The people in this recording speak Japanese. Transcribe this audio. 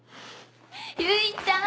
唯ちゃん！